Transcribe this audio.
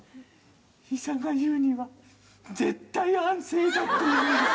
医者が言うには「絶対安静だ」って言うんです。